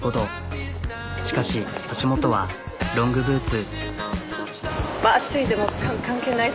しかし足元はロングブーツ。